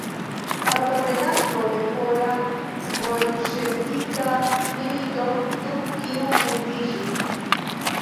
Partoprenanto de pola-bolŝevika milito dum kiu vundiĝis.